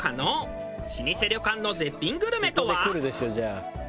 老舗旅館の絶品グルメとは？